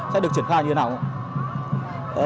sẽ được triển khai như thế nào không ạ